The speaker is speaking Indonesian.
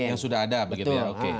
yang sudah ada begitu ya oke